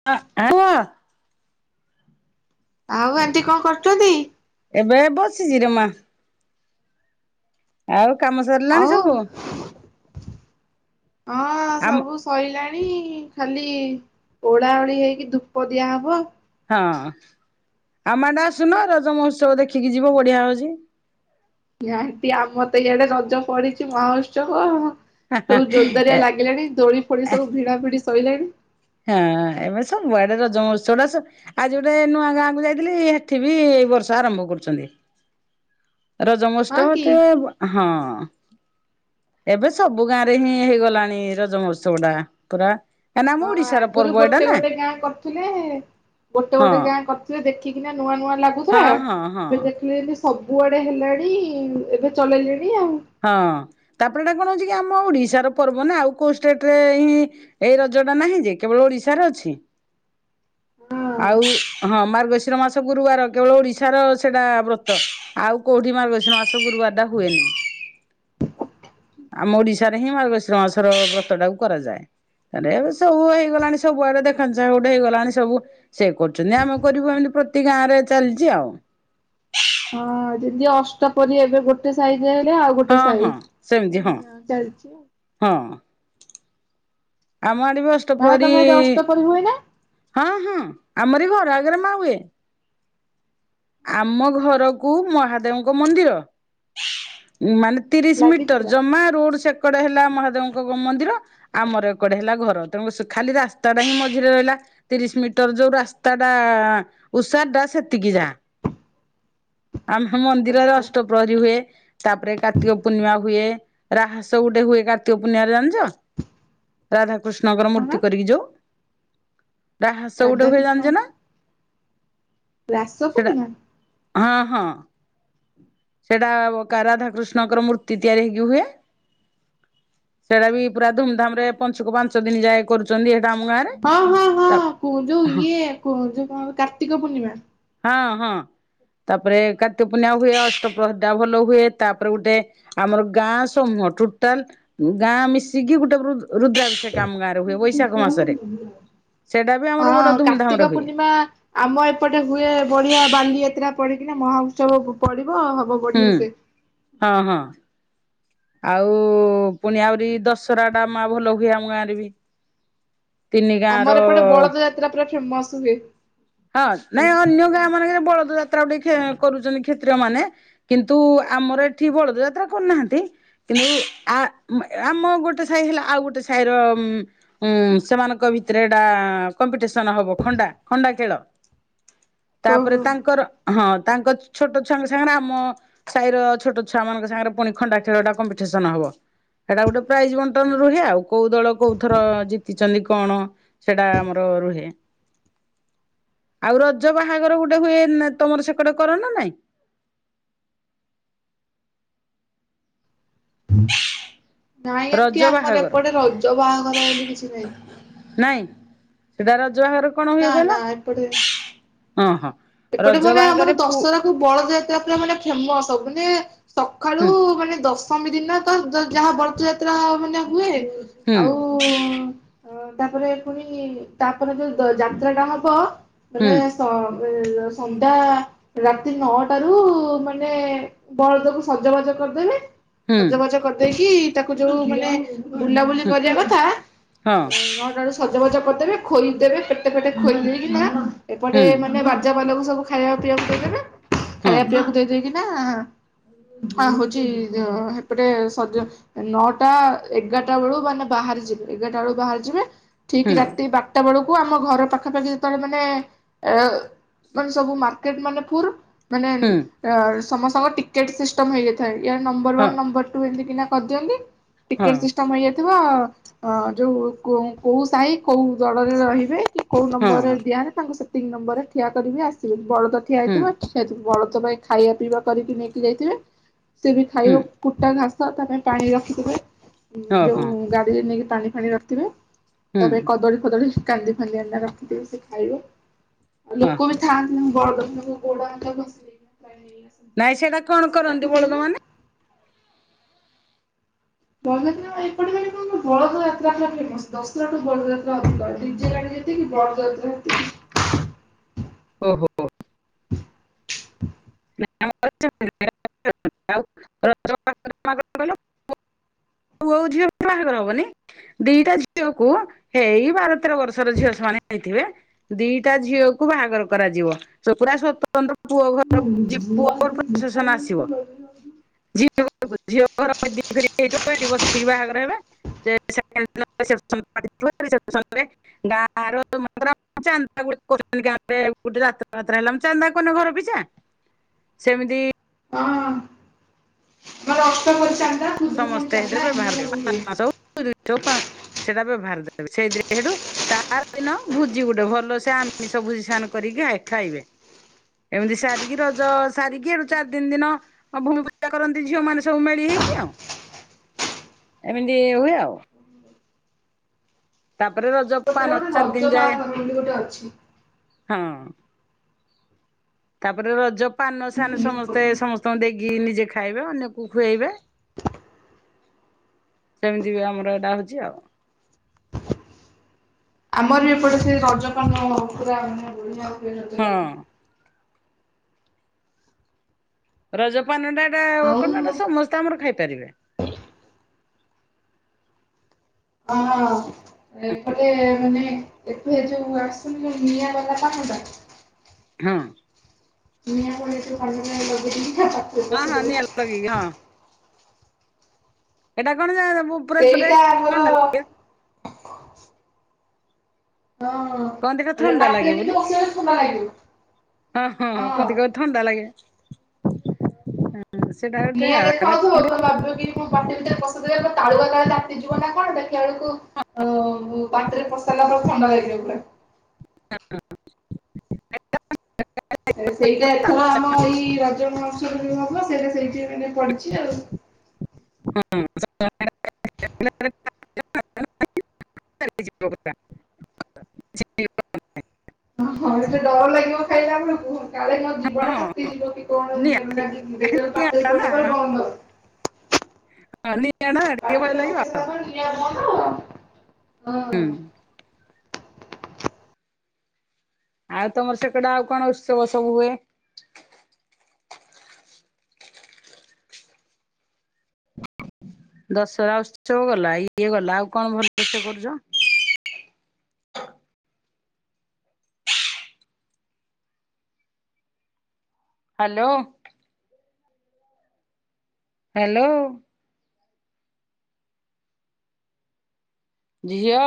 [inaudible] ଆଉ ଆଣ୍ଟି କଣ କରୁଚନ୍ତି? ଏବେ ବସିଚି ରେ ମାଁ। ଆଉ କାମ ସରିଲାଣି ଆଉ ସବୁ? ଅଁ ଆମ ସବୁ ଶୁ ସଇଲାଣି ଖାଲି ଓଳା ଓଳି ହେଇକି, ଧୂପ ଦିଆହବ। ହଁ, ଆମ ଆଡେ ଆସୁନ? ରଜମହୋତ୍ସବ ଦେଖିକି ଯିବ, ବଢ଼ିଆ ହଉଛି। ଏୟା ଟି ଆମର ତ ଇଆଡେ ରଜ ପଡିଚି, ମହୋତ୍ସବ ଆଉ। ସବୁ ଜୋର୍ ଦାରିଆ ଏ ଲାଗିଲାଣି, ଦୋଳି ଫୋଳି ସବୁ ଭିଡ଼ା ଭିଡି ସଇଲାଣି। ହଁ, ଏବେ ସବୁ ଆଡେ ରଜ ମହୋତ୍ସବଟା ସ ଆଜି ଗୋଟେ ନୂଆ ଗାଁ କୁ ଯାଇଥିଲି, ହେଠି ବି ଏଇ ବର୍ଷ ଆରମ୍ଭ କରୁଚନ୍ତି। ହଁ ରଜମଷ୍ଟବ କି ଟେ ହଁ। ଏବେ ସବୁ ଗାଁ ରେ ହିଁ, ହେଇଗଲାଣି ରଜ ମହୋତ୍ସବ ଟା ପୁରା। କାହିଁକିନା ଆମ ହଁ ଓଡିଶାର ଆଗରୁ ପର୍ବ ଏଇଟା ଗୋଟେ ନା ଗୋଟେ ଗାଁ କରୁଥିଲେ-ଏ ଗୋଟେ ହଁ ଗୋଟେ ଗାଁ କରିଥିବେ, ଦେଖିକିନା ନୂଆଁ ନୂଆଁ ଲାଗୁ ଥୁଲା, ହଁ ହଁ ହଁ। ଏବେ ଦେଖିଲେ ଯେମିତି ସବୁଆଡେ ହେଲାଣି, ଏବେ ଚଲେଇଲେଣି ଆଉ। ହଁ ତାପରେ ଏଇଟା କଣ ହଉଛି କି ଆମ ଓଡିଶାର ପର୍ବ ନା ଆଉ କୋଉ ଷ୍ଟେଟ ରେ ହଁ ଏଇ ରଜ ଟା ନାହିଁ ଯେ କେବଳ ଓଡିଶାରେ ଅଛି। ହଁ। ଆଉ ହଁ ମାର୍ଗଶିର ମାସ [unintelligible] ମାସ ଗୁରୁବାର କେବଳ ଓଡିଶାର ସେଟା ବ୍ରତ ଆଉ କୋଉଠି ମାର୍ଗ ସେ ମାସ ଗୁରୁବାର ଟା ହୁଏନି। [unintelligible] ଆମ ଓଡିଶାରେ ହିଁ ମାର୍ଗଶିର ମାସର ବ୍ରତ ଟାକୁ କରନ୍ତୀ। ଆରେ ଏ ସବୁ ହେଇଗଲାଣି ସବୁଆଡେ ଦେଖଣା ଚାହାଁ ଗୋଟେ ହେଇଗଲାଣି ସବୁ ସେ କରୁଛନ୍ତି ଆମେ କରିବୁ ଏମିତି ପ୍ରତି ଗାଁ ରେ ଚାଲିଛି ଆଉ [unintelligible] ହଁ ଯଦି ଅଷ୍ଟ ପରି ଏବେ ଗୋଟେ ସାଇଜ ହେଲେ ଆଉ। ହଁ ଗୋଟେ ହଁ ସାଇଜ। ସେମିତି ହଁ ଚାଲିଛି ଆଉ ହଁ ଆମ ଆଡ ମା ଅଷ୍ଟପ୍ରହରୀ ତମେ ଏଠି ଅଷ୍ଟପରି ହୁଏ ନା? ହଁ ହଁ ଆମରି ଘର ଆଗରେ ମା ହୁଏ। ଆମ ଘରକୁ ମହାଦେବଙ୍କ ମନ୍ଦିର ମାନେ ତିରିଶ ଲାଗିଛି ମିଟର ପୁରା ଜମା ରୋଡ ସେକଡ଼େ ହେଲା ମହାଦେବଙ୍କ ମନ୍ଦିର। ଆମର ଏକଡେ ହେଲା ଘର ତେଣୁ ଖାଲି ରାସ୍ତାଟା ହିଁ ମଝିରେ ରହିଲା। ତିରିଶ ମିଟର ଯୋଉ ରାସ୍ତା ଟା ଉଷାର ଟା ସେତିକି ଯା। ଆମ ମନ୍ଦିରରେ ଆଚ୍ଛା ଅଷ୍ଟପ୍ରହରୀ ହୁଏ। ତାପରେ କାର୍ତ୍ତିକ ପୂର୍ଣ୍ଣିମା ହୁଏ ରାହସ ଗୋଟେ ହୁଏ କାର୍ତ୍ତିକ ପୂର୍ଣ୍ଣିମାାରେ ଜାଣିଛ। ରାଧାକୃଷ୍ଣଙ୍କର କଣ ମୂର୍ତ୍ତି କରିକି ଯୋଉ ରାହସ ଗୋଟେ ହୁଏ ରାଧାକୃଷ୍ଣ ଜାଣିଛ ନା। ରାସ ସେଟା ପୂର୍ଣ୍ଣିମା। ହଁ ହଁ ସେଇଟା ରାଧାକୃଷ୍ଣଙ୍କର ମୂର୍ତ୍ତି ତିଆରି ହେଇକି ହୁଏ ସେଇଟା ବି ପୁରା ଧୁମଧାମ ରେ ପଂଚୁକ ପାଞ୍ଚ ଦିନ ଯାଏ କରୁଛନ୍ତି ଏଟା ଆମଁ ହଁ ହଁ ହଁ କୁ ଯୋଉ ଇଏ କୁ ଯୋଉ କଣ କାର୍ତ୍ତିକ ପୂର୍ଣ୍ଣିମା। ହଁ ହଁ ତାପରେ କାର୍ତ୍ତିକ ପୂର୍ଣ୍ଣିମା ହୁଏ ଅ [unintelligible] ଭଲ ହୁଏ ତାପରେ ଗୋଟେ ଆମର ଗାଁ ସମୂହ ଟୋଟାଲ ଗାଁ ମିଶିକି ଗୋଟେ ରୁଦ୍ରା ସେ କାମ ଗାଁ ରେ ହୁଏ ବୈଶାଖ ମାସରେ ସେଇଟା ବି ଆମର ବଡ ହଁ କାର୍ତ୍ତିକ ଧୁମଧାମରେ ହୁଏ। [unintelligible] ଆମ ଏପଟେ ହୁଏ ବଢିଆ ବାଲିଯାତ୍ରା ପଡିକିନା ମହା ଉତ୍ସବ ପଡିବ ହବ। ହୁଁ ବଢିଆ ସେ। ହଁ ହଁ ଆଉ ପୁଣି ଆହୁରି ଦଶହରା ଟା ମା ଭଲ ହୁଏ ଆମ ଗାଁରେ ବି ତିନି ଗାଁ ଆମର ଏପଟେ ର ବଳଦ ଯାତ୍ରା ପୁରା ଫେମସ ହୁଏ। ହଁ ନାଇଁ ଅନ୍ୟ ଗାଁ ମାନଙ୍କରେ ବଳଦ ଯାତ୍ରା ଟିକେ କରୁଛନ୍ତି କ୍ଷେତ୍ରୀୟ ମାନେ କିନ୍ତୁ ଆମର ଏଠି ବଳଦ ଯାତ୍ରା କରୁନାହାନ୍ତି। କିନ୍ତୁ ଆ ଆମ ଗୋଟେ ସାହି ହେଲା ଆଉ ଗୋଟେ ସାହିର ଉଁ ସେମାନଙ୍କ ଭିତରେ ଏଟା କମ୍ପିଟିସନ ହବ ଖଣ୍ଡା ଖଣ୍ଡା ଖେଳ। ତାପରେ ତାଙ୍କର ହଁ ତାଙ୍କ ଛୋଟ ଛୁଆଙ୍କ ସାଙ୍ଗରେ ଆମ ସାହି ର ଛୋଟ ଛୁଆ ମାନଙ୍କ ସାଙ୍ଗରେ ପୁଣି ଖଣ୍ଡା ଖେଳ କମ୍ପିଟସନ ହବ [unintelligible] ସେଟା ଗୋଟେ ପ୍ରାଇଜ ବଣ୍ଟନ ରୁହେ ଆଉ କୋଉ ଦଳ କୋଉ ଥର ଜିତିଛନ୍ତି କଣ। ସେଇଟା ଆମର ରୁହେ। ଆଉ ରଜ ବାହାଘର ଗୋଟେ ହୁଏ ତମର ସେକଡେ କର ନା ନାଇଁ। ନାଇଁ ରଜ ଏମିତି ଆମର ବାହାଘର ଏପଟେ ରଜ ବାହାଘର ବୋଲି କିଛି ନାହିଁ। ନାଇଁ ସେଟା ରଜବାହଘର କଣ ହୁଏ ନା ନା କହିଲ ଓହୋ। ସେପଟେ ମାନେ ଆମର ଦଶହରା। ବଳଯାତ୍ରା ପୁରା ମାନେ ଫେମସ ମାନେ ସକାଳୁ ହୁଁ ମାନେ ଦଶ ଶମୀ ଦିନ ତ ଯାହା ବଳଥ ଯାତ୍ରା ମାନେ ହୁଏ ହୁଁ ଆଉ ଅ ତାପରେ ପୁଣି ତାପରେ ଯୋଉ ଦ ଯାତ୍ରା ଟା ହବ ହୁଁ ବଲେ ସ ଉଁ ସନ୍ଧ୍ୟା। ରାତି ନଅଟାରୁ ମାନେ ବଳଦକୁ ସଜବାଜ କରିଦେବେ। ହୁଁ ସଜବାଜ କରିଦେଇକି ତାକୁ ଯୋଉ ମାନେ ବୁଲାବୁଲି ହୁଁ କରିବା କଥା ହଁ ଅ ନ ଟା ବେଳୁ ସଜବାଜ କରିଦେବେ ଖୋଇଦେବେ ପେଟେ ପେଟେ ଖୋଇଦେଇ କିନା ଏପଟେ ହୁଁ ଏ ବାଜାବେଲାକୁ ସବୁ ଖାଇବା ପିଇବାକୁ ଦେଇଦେବେ ହଁ ଖାଇବା ପିଇବାକୁ ଦେଇଦେଇକି [inaudible] ହ ହଉଛି ଜ ହେପଟେ ସଜ ନଅଟା ଏଗାରଟା ବେଳୁ ମାନେ ବାହାରି ଯିବେ ଏଗାରଟା ବେଳୁ ବାହାରି ଯିବେ। ଠିକ ହୁଁ ରାତି ବାରଟା ବେଳକୁ ଆମ ଘର ପାଖାପାଖି ଯେତେବେଳେ ମାନେ ଏ ମାନେ ସବୁ ମାର୍କେଟ ମାନେ ଫୁରୁ ମାନେ ହୁଁ [inaudible] ସମସ୍ତଙ୍କ ଟିକେଟ୍ ସିଷ୍ଟମ ହେଇଯାଇଥାଏ ୟର ନମ୍ବର ହଁ ୱାନ୍ ନମ୍ବର ଟୁ ଏମିତି କିନା କରିଦିଅନ୍ତି। ହଁ ଟିକେଟେ ସି ହେଇଯାଇଥିବ ଅ ଯୋଉ କୋଉ ସାହି କୋଉ ଦଳରେ ରହିବେ। କୋଉ ହଁ ନମ୍ବର ହଁ ରେ ଦିଆହେନେ ତାଙ୍କୁ ସେତିକି ନମ୍ବର ରେ ଠିଆ କରିବି ଆସିବେ ବଳଦ ଠିଆ ହୁଁ ହେଇଥିବେ। ସେ ବଳଦ ପାଇଁ ଖାଇବା ପିଇବା କରିକି ନେଇକି ଯାଇଥିବେ ସେ ବି ଖାଇ ହୁଁ ବ କୁଟା ଘାସ ତା ପାଇଁ ପାଣି ରଖିଥିବେ ହଁ ଯୋଉ ହଁ ଗାଡ଼ିରେ ନେଇକି ପାଣି ଫାଣି ର ଥିବେ ହୁଁ ତାପରେ କଦଳୀ ଫଦଳୀ କାନ୍ଦି ଫାନ୍ଦି ଆଣି ରଖିଥିବେ ସେ ଖାଇବେ। ହଁ ଲୋକ ବି ହଁ ଥାଆନ୍ତି ବଡ [unintelligible] ନାଇଁ ସେଇଟା କଣ କରନ୍ତି ବଳଦ ମାନେ? ବଳଦଯାତ୍ରା ଏପଟେ ପାଇଁ କଣ ବଳଦ ଯାତ୍ରା ପୁରା ଫେମସ ଦଶହରା ଟୁ ବଳଦଯାତ୍ରା ଅଧିକ ଡିଜେ ଗାଡିରେ ଏତିକି ବଳଦ ଯାତ୍ରା ସେତିକି। ଓ ହୋ। [inaudible] [unintelligible] ପୁଅ ଆଉ ଝିଅ ବାହାଘର ହବନି? ଦିଟା ଝିଅକୁ ଏଇ ବାର ତେର ବର୍ଷର ଝିଅ ସେମାନେ ହେଇଥିବେ। ଦିଟା ଝିଅକୁ ବାହାଘର କରାଯିବ [unintelligible] ପୁରା ସ୍ଵତନ୍ତ୍ର ପୁଅ। ଘର ପୁଅ ଘର ପ୍ରସେସନ ଆସିବ [unintelligible] ଝିଅ [unintelligible] ବାହାଘର ହେବେ। [unintelligible] ଚାନ୍ଦା [unintelligible] ଚାନ୍ଦ୍ରା କରୁନେ ଘର ପିଛା? ସେମିତି ହଁ [unintelligible] ସମସ୍ତେ ସେଥିରେ ବ୍ୟବହାର [unintelligible] ସେଇଟା ବେବହାର ଦେବେ ସେଇଥିରେ ସେଠୁ ତାର ଦିନ ଭୋଜି ଗୋଟେ ଭଲସେ ଆମିଷ ଭୋଜି ସେମାନେ କରିକି ଖା ଖାଇବେ। ଏମିତି ସାରିକି ରଜ ସାରିକି ହେଟୁ ଚାରି ଦିନି ଦିନ। ଆଉ ଭୂମି ପୂଜା କରନ୍ତି ଝିଅ ମାନେ ସବୁ ମିଳି ହେଇକି ଆଉ। ଏମିତି ହୁଏ ଆଉ। ତାପରେ ରଜ ଏପଟରେ ପାନ ଗୋଟେ ଚାରି ଦିନ ରଜ ଯାଏ ବାହାଘର ବୋଲି ଗୋଟେ ଅଛି। ହଁ। ତାପରେ ରଜ ପାନ ସା ସମସ୍ତେ ସମସ୍ତଙ୍କୁ ଦେଇକି ନିଜେ ଖାଇବେ ଅନ୍ୟକୁ ଖୁଏଇବେ। ସେମିତି ବି ଆମର ଏଇଟା ହଉଛି ଆଉ। ଆମର ବି ଏପଟେ ସେ ରଜ ପାନ ପୁରା ମାନେ ରଜ ପାନ ବଢ଼ିଆ। ହଁ ରଜ ପାନ ଟା ଏଟା ଆଉ କଣ ନା ଏଟା ସମସ୍ତେ ଆମର ଖାଇପାରିବେ। [unintelligible] ଏପଟେ ମାନେ ଏଠୁ ଏ ଯୋଉ ଆସୁନି ଯୋଉ ନିଆଁ ଗଲା କାଠୁ ଟା ହଁ। ହଁ ହଁ ନିଆଁ [unintelligible] ଲଗେଇକି ହଁ ଏଟା କଣ [unintelligible] ଥଣ୍ଡା [unintelligible] ହଁ। କହନ୍ତି ଏଟା ଥଣ୍ଡା ଲାଗେ ବାଟେରେ ବୋଲି। କିନ୍ତୁ ଆସିଲା ବେଳେ ଥଣ୍ଡା ଲାଗିବ। ହଁ ହଁ [unintelligible] ଥଣ୍ଡା ଲାଗେ। ସେଟା ଗୋଟେ ନିଆଁ ଆଉ ଏଟା ଦେଖାଯାଉଥିବ କଣ ତମେ ଭାବିବ କି ମୁଁ ପାଟି ଭିତରେ ପସେଇଦେବେ ତ ତାଳୁରା କାଳେ ତାତି ଯିବ ନା କଣ ଦେ ଖିଲା ବେଳକୁ ପାଟି ରେ ପସେଇଲା ପରେ ଥଣ୍ଡା ଲାଗିବ ପୁରା। [unintelligible] ସେଇଟା ଏଥର ଆମ ଏଇ ରଜ ମହୋତ୍ସବ ରେ ବି ହବ। ସେଇଟା ସେଇଠି ମାନେ ପଡିଚି ଆଉ। [unintelligible] [unintelligible] ହଁ ହଁ ଏତେ ଡର ଲାଗିବ ଖାଇଲା ବେଳକୁ କାଳେ ମୋ ଜିଭ ଟା ତାତି ଯିବ କି କଣ ନିଆଁ ଟା ଲାଗିକି, ଦେଖିଲା ବେଳକୁ ପାଟି ରେ ନିଆଁଟା ନା ପଡ଼ିଲା ବେଳକୁ ବନ୍ଦ। ପାଟିରେ ପକେଇ ସାରିଲା ପରେ [unintelligible] ନିଆଁ ବନ୍ଦ। ହୁଁ। ହଁ। ଆଉ ତମର ସେକଟ ଆଉ କଣ ଉତ୍ସବ ସବୁ ହୁଏ? ଦଶହରା ଉତ୍ସବ ଗଲା, ଇଏ ଗଲା ଆଉ କଣ ଭଲ ଉତ୍ସବ କରୁଚ? ହାଲୋ। ହ୍ୟାଲୋ। ଝିଅ।